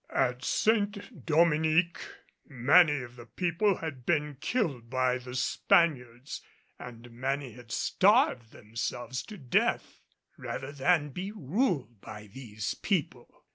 At Saint Dominique many of the people had been killed by the Spaniards, and many had starved themselves to death rather than be ruled by these people.